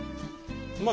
うまい。